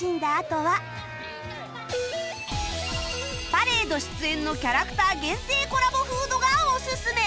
パレード出演のキャラクター限定コラボフードがおすすめ！